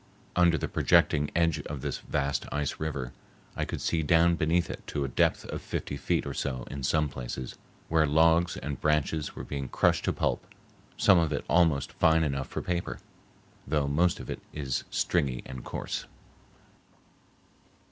Under the projecting edge of this vast ice river I could see down beneath it to a depth of fifty feet or so in some places, where logs and branches were being crushed to pulp, some of it almost fine enough for paper, though most of it stringy and coarse.